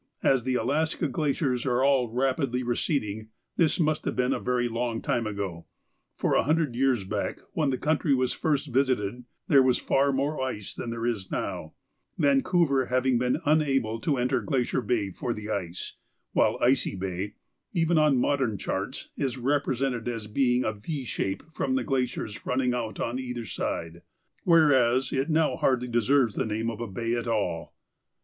As the Alaska glaciers are all rapidly receding, this must have been a very long time ago, for a hundred years back, when the country was first visited, there was far more ice than there is now, Vancouver having been unable to enter Glacier Bay for the ice, while Icy Bay, even on modern charts, is represented as being of a V shape from the glaciers running out on either side, whereas it now hardly deserves the name of a bay at all.